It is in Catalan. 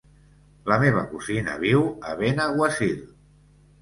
La meva cosina viu a Benaguasil.